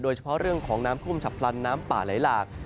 โดยเฉพาะเรื่องของน้ำท่วมฉับพลันน้ำป่าไหลหลาก